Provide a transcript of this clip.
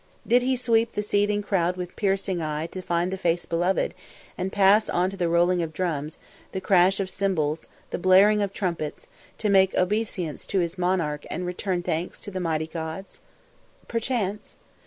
Did he sweep the seething crowd with piercing eye to find the face beloved, and pass on to the rolling of drums, the crash of cymbals, the blaring of trumpets, to make obeisance to his monarch and return thanks to the mighty gods? Perchance!